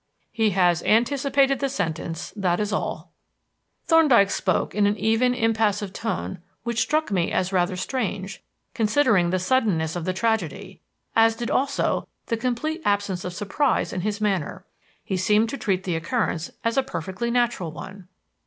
"He has anticipated the sentence. That is all." Thorndyke spoke in an even, impassive tone which struck me as rather strange, considering the suddenness of the tragedy, as did also the complete absence of surprize in his manner. He seemed to treat the occurrence as a perfectly natural one.